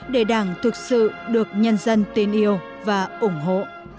để đảng thực sự được nhân dân tin yêu và ủng hộ